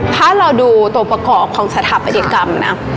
ถ้าเราดูตัวประกอบของสถาปนิกรรมนะ